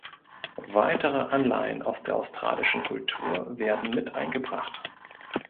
Weitere Anleihen aus der australischen Kultur werden mit eingebracht.